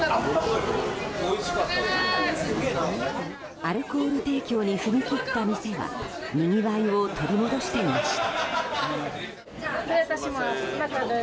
アルコール提供に踏み切った店はにぎわいを取り戻していました。